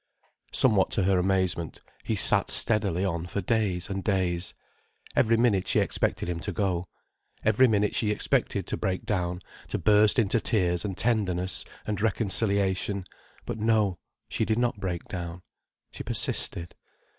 Somewhat to her amazement, he sat steadily on for days and days. Every minute she expected him to go. Every minute she expected to break down, to burst into tears and tenderness and reconciliation. But no—she did not break down. She persisted.